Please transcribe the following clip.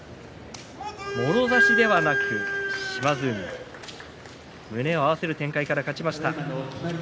もろ差しではなかったんですが胸を合わせる展開から勝ちました。